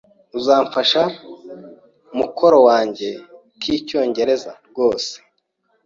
"Uzamfasha mukoro kanjye k'icyongereza?" "Rwose."